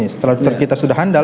setelah kita sudah handal